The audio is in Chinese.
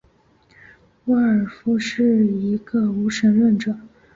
沃尔夫是一个无神论者。